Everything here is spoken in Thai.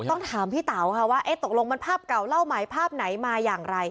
ต้องถามพี่เต๋าค่ะว่าตกลงมันภาพเก่าเล่าไหมภาพไหนมาอย่างไร